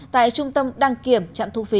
tại trung tâm đăng kiểm trạm thu phí